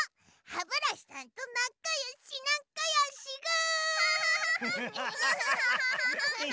ハブラシさんとなかよしなかよしぐ！